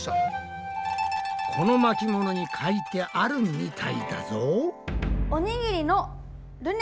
この巻物に書いてあるみたいだぞ。